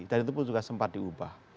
dan itu pun juga sempat diubah